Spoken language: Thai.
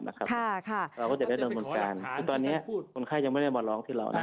เราก็จะได้ดำเนินการคือตอนนี้คนไข้ยังไม่ได้มาร้องที่เรานะ